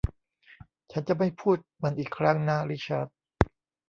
ฉันจะไม่พูดมันอีกครั้งนะริชาร์ด